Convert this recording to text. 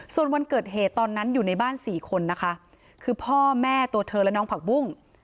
ส่วนวันเกิดเหตุตอนนั้นอยู่ในบ้านสี่คนนะคะคือพ่อแม่ตัวเธอและน้องผักบุ้ง